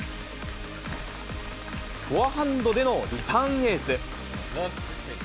フォアハンドでのリターンエース。